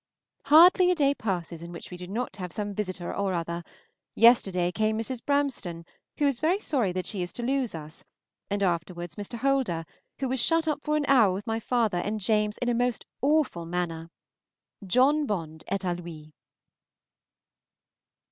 Hardly a day passes in which we do not have some visitor or other: yesterday came Mrs. Bramstone, who is very sorry that she is to lose us, and afterwards Mr. Holder, who was shut up for an hour with my father and James in a most awful manner. John Bond est à lui.